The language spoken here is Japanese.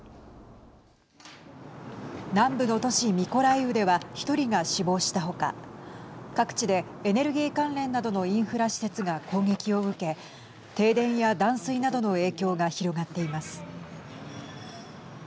南部の都市ミコライウでは１人が死亡した他各地でエネルギー関連などのインフラ施設が攻撃を受け、停電や断水などの影響が広がっています。